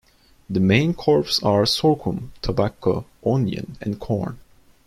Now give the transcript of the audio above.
The main crops are sorghum, tobacco, onion and corn.